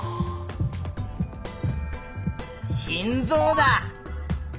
「心臓」だ。